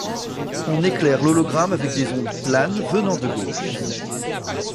On éclaire l'hologramme avec des ondes planes venant de gauche.